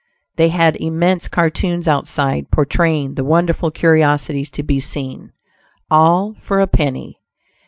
They had immense cartoons outside, portraying the wonderful curiosities to be seen "all for a penny."